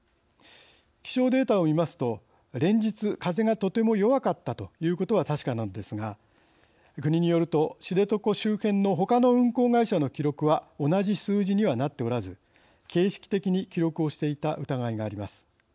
気象データを見ますと連日風がとても弱かったということは確かなんですが国によると知床周辺のほかの運航会社の記録は同じ数字にはなっておらず形式的に記録をしていた疑いがあります。